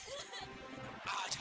mau kau mencimalah dia